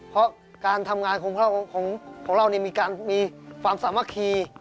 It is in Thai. เพราะการทำงานของเราเนี่ยมีความสามารถคีย์